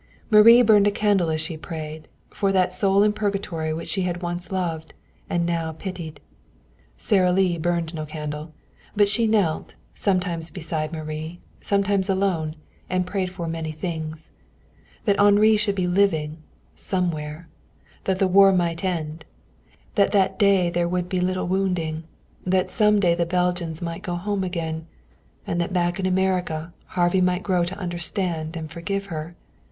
Marie burned a candle as she prayed, for that soul in purgatory which she had once loved, and now pitied. Sara Lee burned no candle, but she knelt, sometimes beside Marie, sometimes alone, and prayed for many things: that Henri should be living, somewhere; that the war might end; that that day there would be little wounding; that some day the Belgians might go home again; and that back in America Harvey might grow to understand and forgive her.